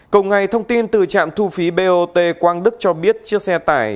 cộng ngày thông tin từ trạm thu phí bot quang đức cho biết chiếc xe tải